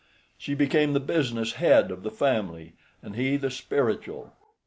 She became the business head of the family, and he the spiritual.